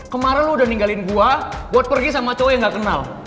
kemarin lo udah ninggalin gue buat pergi sama cowok yang gak kenal